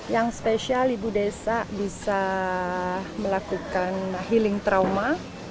yang spesial ibu desa bisa melakukan healing trauma